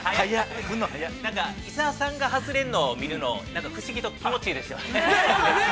◆伊沢さんが外れの見るの、不思議と気持ちがいいですよね。